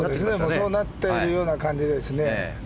そうなっているような感じですね。